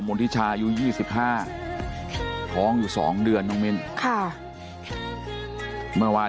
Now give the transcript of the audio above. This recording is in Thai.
มนติชายุยี่สิบห้าท้องอยู่สองเดือนน้องมินค่ะเมื่อวาน